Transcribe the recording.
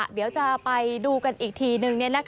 เดี๋ยวจะไปดูกันอีกทีนึง